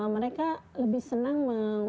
mereka lebih senang